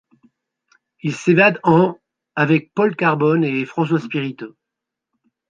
Il s’évade en avec Paul Carbone et François Spirito.